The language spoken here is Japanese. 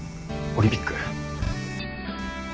オリンピック。